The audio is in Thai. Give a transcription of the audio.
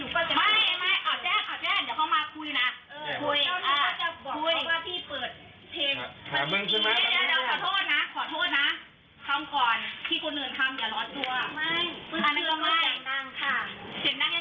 คุณทำคนอื่นเขาไม่รู้กันนะ